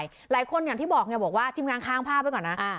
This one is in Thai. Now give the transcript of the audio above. หลายคนอย่างที่บอกเนี่ยบอกว่าจิมงานข้างภาพไว้ก่อนน่ะอ่า